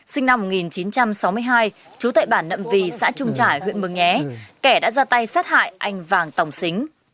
sinh năm một nghìn chín trăm sáu mươi hai chú tệ bản nậm vì xã trung trải huyện mường nghé kẻ đã ra tay sát hại anh vàng tòng xính